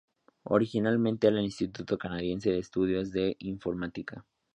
Originalmente era el Instituto Canadiense de Estudios de Informática.